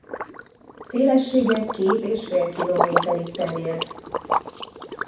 Szélessége két és fél kilométerig terjed.